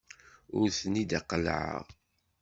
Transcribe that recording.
Ur ten-id-qellɛeɣ.